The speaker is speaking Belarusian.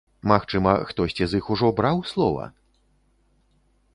Магчыма, хтосьці з іх ужо браў слова?